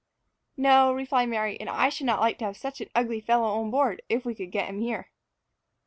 "No," replied Mary, "and I should not like to have such an ugly fellow on board, if we could get him here."